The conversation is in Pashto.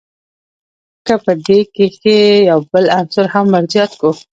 که په دې کښي یو بل عنصر هم ور زیات کو.